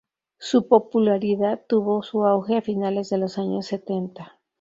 Su popularidad tuvo su auge a finales de los años setenta.